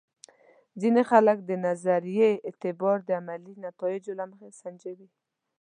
ځینې خلک د نظریې اعتبار د عملي نتایجو له مخې سنجوي.